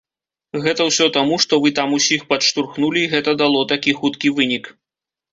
Гэта ўсё таму, што вы там усіх падштурхнулі і гэта дало такі хуткі вынік.